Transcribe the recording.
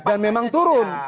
dan memang turun